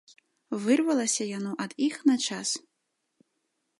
Вырвалася яно ад іх на час.